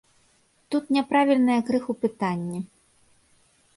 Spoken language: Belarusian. Тут няправільнае крыху пытанне.